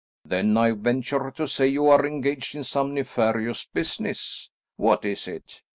"Then I venture to say you are engaged in some nefarious business. What is it?